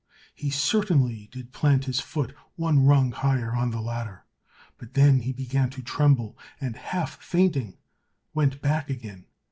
He certainly did plant his foot one rung higher on the ladder, but then he began to tremble, and half fainting, went back again.